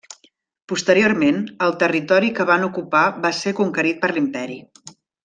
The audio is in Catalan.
Posteriorment, el territori que van ocupar va ser conquerit per l'Imperi.